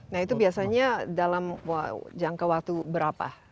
nah itu biasanya dalam jangka waktu berapa